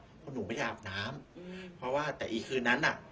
เพราะหนูไม่ได้อาบน้ำเพราะว่าแต่อีกคืนนั้นน่ะ